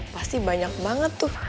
pasti banyak banget tuh